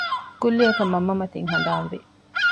ކުއްލިއަކަށް މަންމަ މަތިން ހަނދާންވި